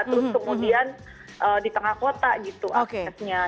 terus kemudian di tengah kota gitu aksesnya